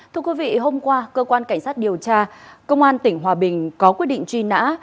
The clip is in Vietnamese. thưa quý vị hôm qua cơ quan cảnh sát điều tra công an tỉnh hòa bình có quyết định truy nã